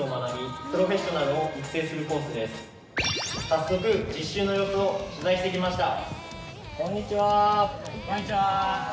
早速、実習の様子を取材してきました。